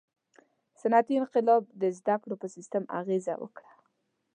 • صنعتي انقلاب د زدهکړو په سیستم اغېزه وکړه.